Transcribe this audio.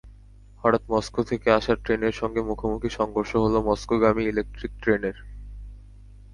হঠাৎ মস্কো থেকে আসা ট্রেনের সঙ্গে মুখোমুখি সংঘর্ষ হলো মস্কোগামী ইলেকট্রিক ট্রেনের।